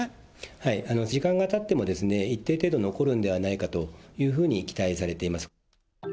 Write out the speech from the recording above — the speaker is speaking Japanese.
はい、時間がたってもですね、一定程度残るんではないかというふうに期待されています。